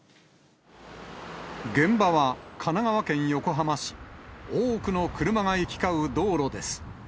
現場は神奈川県横浜市、多くの車が行き交う道路です。